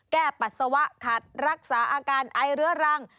ปัสสาวะขัดรักษาอาการไอเรื้อรัง